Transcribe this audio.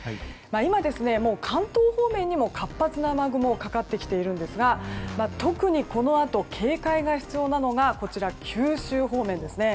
今、もう関東方面にも活発な雨雲がかかってきているんですが特に、このあと警戒が必要なのが九州方面です。